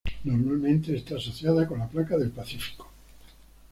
Normalmente está asociada con la placa del Pacífico.